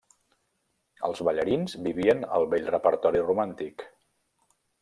Els ballarins vivien el vell repertori romàntic.